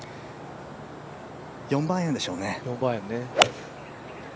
４番アイアンでしょうね。